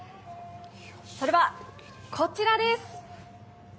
それは、こちらです！